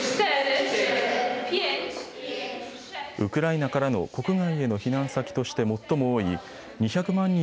ウクライナからの国外への避難先として最も多い２００万